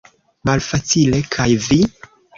Malfacile; kaj vi?